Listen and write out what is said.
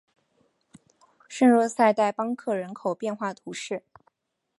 圣若塞代邦克人口变化图示